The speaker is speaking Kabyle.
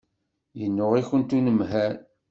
Yennuɣ-ikent unemhal.